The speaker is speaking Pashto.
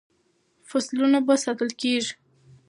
فصلونه به ساتل کیږي.